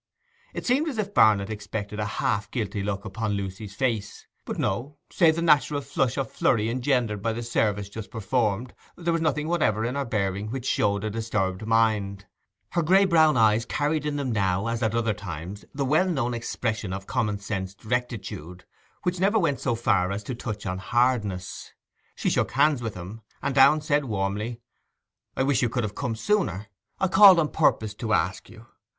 It seemed as if Barnet expected a half guilty look upon Lucy's face; but no, save the natural flush and flurry engendered by the service just performed, there was nothing whatever in her bearing which showed a disturbed mind: her gray brown eyes carried in them now as at other times the well known expression of common sensed rectitude which never went so far as to touch on hardness. She shook hands with him, and Downe said warmly, 'I wish you could have come sooner: I called on purpose to ask you.